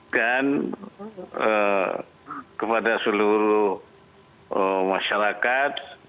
dan kepada seluruh masyarakat